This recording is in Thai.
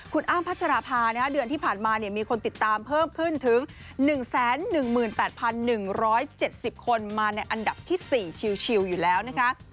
คุณอ้ำพัชราภาเดือนที่ผ่านมามีคนติดตามเพิ่มขึ้นถึง๑๑๘๑๗๐คนมาในอันดับที่๔ชิลอยู่แล้วนะคะ